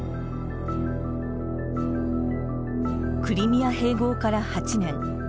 クリミア併合から８年。